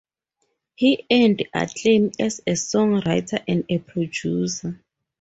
He earned acclaim as a songwriter and a producer.